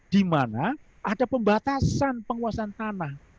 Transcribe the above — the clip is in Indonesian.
dimana ada pembatasan penguasaan tanah